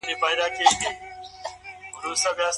خاوند بايد ميرمن په هر سفر کي له ځان سره بوزي؟